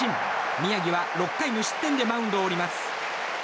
宮城は６回無失点でマウンドを降ります。